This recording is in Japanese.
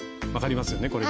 分かりますよね。